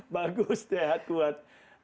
bagus sehat kuat